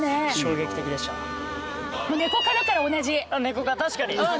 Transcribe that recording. あネコ科確かに！